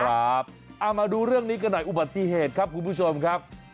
ครับเอามาดูเรื่องนี้กันหน่อยอุบัติเหตุครับคุณผู้ชมครับ